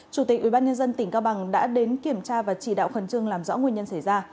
chủ tịch ubnd tỉnh cao bằng đã đến kiểm tra và chỉ đạo khẩn trương làm rõ nguyên nhân xảy ra